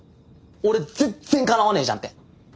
俺全然かなわねえじゃんって。